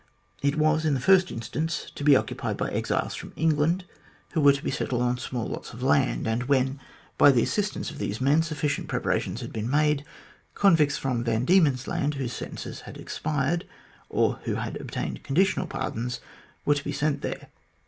It was, in the first instance, to be occupied by exiles from England, who were to be settled on small lots of land; and when, by the assistance of these men, sufficient preparations had been made, convicts from Van Diemen's Land, whose sentences had expired, or who had obtained conditional pardons, were to be sent there.